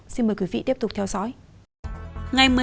xin mời quý vị tiếp tục theo dõi